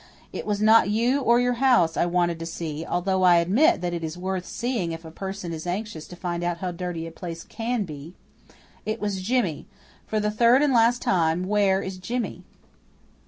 It was not you or your house I wanted to see although I admit that it is worth seeing if a person is anxious to find out how dirty a place CAN be. It was Jimmy. For the third and last time where is Jimmy?"